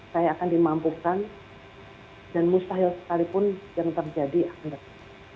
saya akan dimampukan dan mustahil sekalipun yang terjadi akan datang